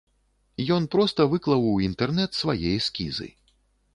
Ён проста выклаў у інтэрнэт свае эскізы.